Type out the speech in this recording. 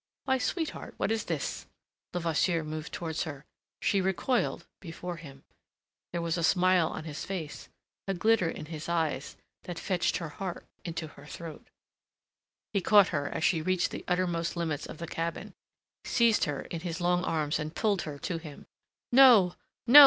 "Why, sweetheart, what is this?" Levasseur moved towards her. She recoiled before him. There was a smile on his face, a glitter in his eyes that fetched her heart into her throat. He caught her, as she reached the uttermost limits of the cabin, seized her in his long arms and pulled her to him. "No, no!"